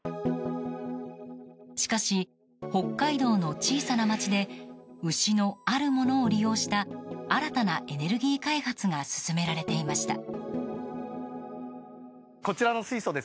しかし、北海道の小さな町で牛のあるものを利用した新たなエネルギー開発が進められていました。